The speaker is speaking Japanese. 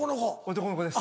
男の子です。